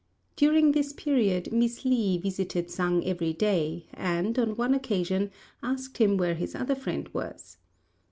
During this period Miss Li visited Sang every day, and on one occasion asked him where his other friend was.